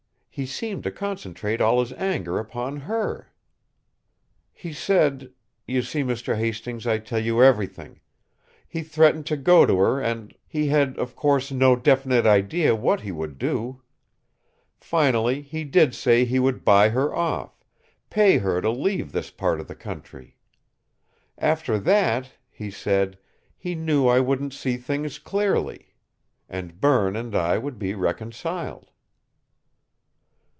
He seemed to concentrate all his anger upon her. "He said you see, Mr. Hastings, I tell you everything! he threatened to go to her and He had, of course, no definite idea what he would do. Finally, he did say he would buy her off, pay her to leave this part of the country. After that, he said, he knew I would 'see things clearly,' and Berne and I would be reconciled."